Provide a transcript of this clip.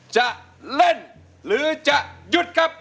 จะเล่นหรือจะหยุดครับ